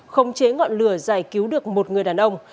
khống chế ngọn lửa giải cứu được một người đàn ông